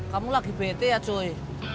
kamu lagi bete ya joy